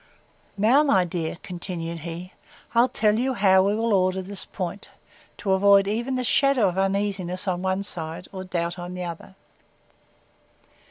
Now, my dear, continued he, I'll tell you how we will order this point, to avoid even the shadow of uneasiness on one side, or doubt on the other.